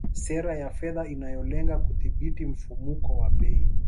Sera ya fedha inayolenga kudhibiti mfumuko wa bei